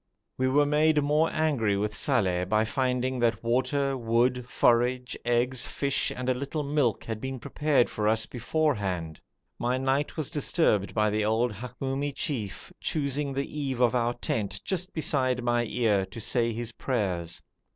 We were made more angry with Saleh by finding that water, wood, forage, eggs, fish, and a little milk had been prepared for us beforehand. My night was disturbed by the old Hamoumi chief choosing the eave of our tent just beside my ear to say his prayers.